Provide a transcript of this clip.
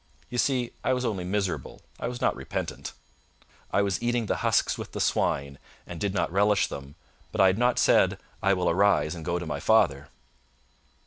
You see I was only miserable; I was not repentant. I was eating the husks with the swine, and did not relish them; but I had not said, "I will arise and go to my father".